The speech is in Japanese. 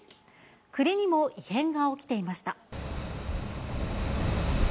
栗にも異変が起きていました。